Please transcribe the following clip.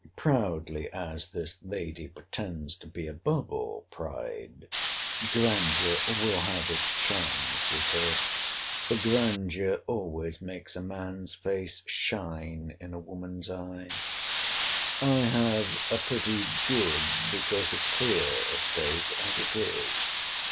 Proudly as this lady pretends to be above all pride, grandeur will have its charms with her; for grandeur always makes a man's face shine in a woman's eye. I have a pretty good, because a clear, estate, as it is.